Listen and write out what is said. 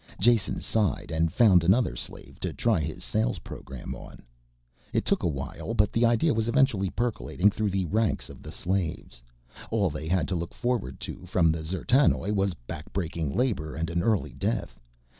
Jason sighed and found another slave to try his sales program on. It took a while, but the idea was eventually percolating through the ranks of the slaves. All they had to look forward to from the D'zertanoj was backbreaking labor and an early death.